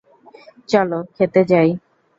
চলো, খেতে যাই!